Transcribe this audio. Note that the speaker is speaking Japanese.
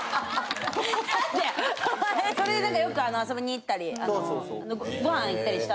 それでよく遊びに行ったりごはん行ったりした。